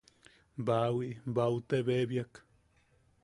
Baawi, bau te bebiak.